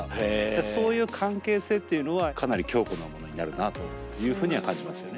そういう関係性っていうのはかなり強固なものになるなというふうには感じますよね。